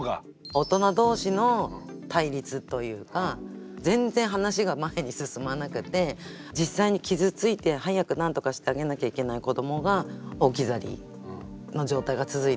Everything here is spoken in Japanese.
大人同士の対立というか全然話が前に進まなくて実際に傷ついて早く何とかしてあげなきゃいけない子どもが置き去りの状態が続いてしまうので。